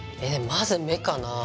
まず目かなぁ。